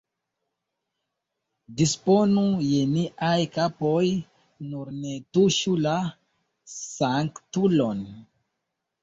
Disponu je niaj kapoj, nur ne tuŝu la sanktulon!